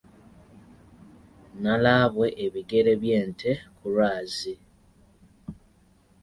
Nalabwe ebigere by’ente ku lwazi.